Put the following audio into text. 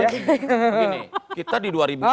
begini kita di dua ribu